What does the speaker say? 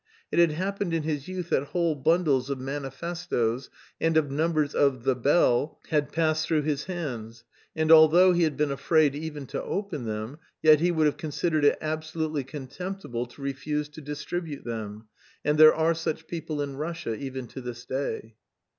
It had happened in his youth that whole bundles of manifestoes and of numbers of The Bell had passed through his hands, and although he had been afraid even to open them, yet he would have considered it absolutely contemptible to refuse to distribute them and there are such people in Russia even to this day.